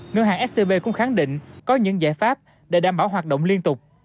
ngân hàng scb cũng khẳng định có những giải pháp để đảm bảo hoạt động liên tục